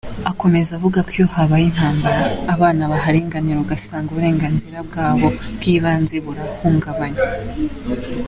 Akomeza avuga ko iyo habaye intambara, abana baharenganira ugasanga uburenganzira bwabo bw’ibanze burahungabanye.